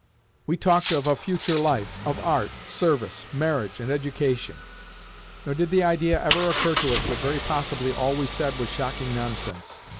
We talked of a future life, of art, service, marriage, and education; nor did the idea ever occur to us that very possibly all we said was shocking nonsense.